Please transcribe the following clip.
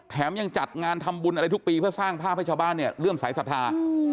ยังจัดงานทำบุญอะไรทุกปีเพื่อสร้างภาพให้ชาวบ้านเนี่ยเริ่มสายศรัทธา